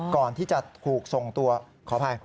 ก่อนที่จะถูกส่งตัวขออภัย